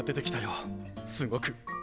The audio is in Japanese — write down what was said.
すごく。